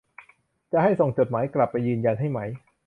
จะให้ส่งจดหมายกลับไปยืนยันให้ไหม